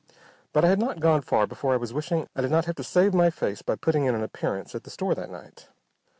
But I had not gone far before I was wishing I did not have to save my face by putting in an appearance at the store that night.